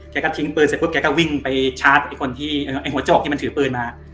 แกก็ทิ้งปืนเสร็จปุ๊บแกก็วิ่งไปชาร์จไอ้คนที่ไอ้หัวโจ๊กที่มันถือปืนมา